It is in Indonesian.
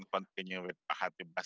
tangan tidak jelas